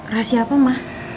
rahasia apa ma